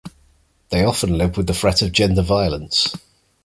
They often live with the threat of gender violence.